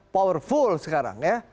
powerful sekarang ya